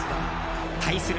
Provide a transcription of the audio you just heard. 対する